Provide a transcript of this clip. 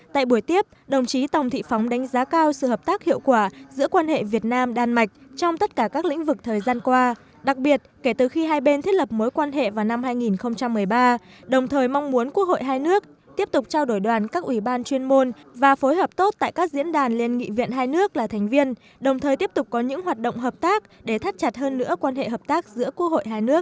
tại buổi tiếp đồng chí tòng thị phóng đánh giá cao sự hợp tác hiệu quả giữa quan hệ việt nam đan mạch trong tất cả các lĩnh vực thời gian qua đặc biệt kể từ khi hai bên thiết lập mối quan hệ vào năm hai nghìn một mươi ba đồng thời mong muốn quốc hội hai nước tiếp tục trao đổi đoàn các ủy ban chuyên môn và phối hợp tốt tại các diễn đàn liên nghị viện hai nước là thành viên đồng thời tiếp tục có những hoạt động hợp tác để thắt chặt hơn nữa quan hệ hợp tác giữa quốc hội hai nước